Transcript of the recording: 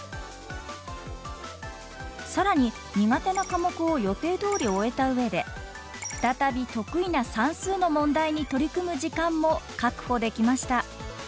更に苦手な科目を予定どおり終えた上で再び得意な算数の問題に取り組む時間も確保できました。